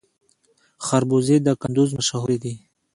خربوزې د کندز مشهورې دي